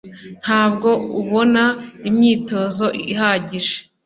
ntabwo ubona imyitozo ihagije